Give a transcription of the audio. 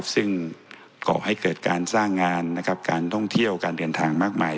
ซึ่งก่อให้เกิดการสร้างงานการท่องเที่ยวการเดินทางมากมาย